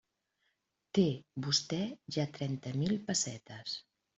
Té vostè ja trenta mil pessetes.